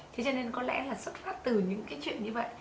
thế cho nên có lẽ là xuất phát từ những cái chuyện như vậy